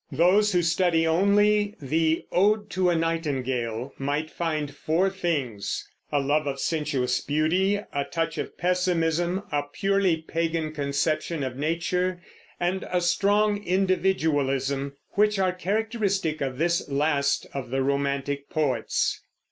Those who study only the "Ode to a Nightingale" may find four things, a love of sensuous beauty, a touch of pessimism, a purely pagan conception of nature, and a strong individualism, which are characteristic of this last of the romantic poets.